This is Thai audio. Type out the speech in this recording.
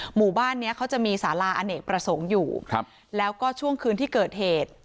หมู่บ้านเนี้ยเขาจะมีสาราอเนกประสงค์อยู่ครับแล้วก็ช่วงคืนที่เกิดเหตุ